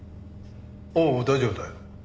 ああ大丈夫だよ。